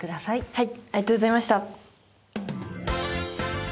はい。